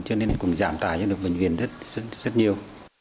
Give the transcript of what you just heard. cho nên cũng giảm tài cho được bệnh viện rất nhiều